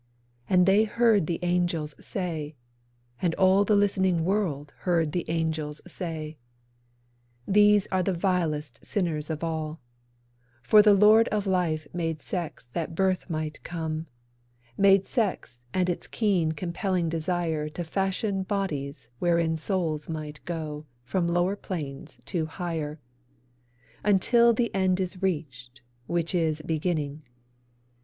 And they heard the Angels say, And all the listening world heard the Angels say: 'These are the vilest sinners of all; For the Lord of Life made sex that birth might come; Made sex and its keen compelling desire To fashion bodies wherein souls might go From lower planes to higher, Until the end is reached (which is Beginning).